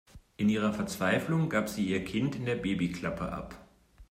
In ihrer Verzweiflung gab sie ihr Kind in der Babyklappe ab.